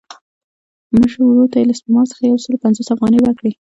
مشر ورور ته یې له سپما څخه یو سل پنځوس افغانۍ ورکړې.